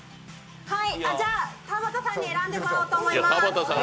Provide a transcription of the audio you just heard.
田畑さんに選んでもらおうと思います。